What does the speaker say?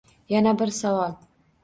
Yana bir savol.